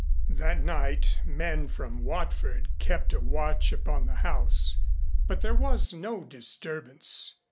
That night men from Watford kept a watch upon the house, but there was no disturbance.